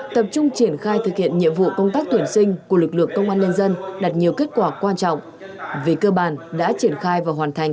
tập trung triển khai thực hiện nhiệm vụ công tác tuyển sinh của lực lượng công an nhân dân đặt nhiều kết quả quan trọng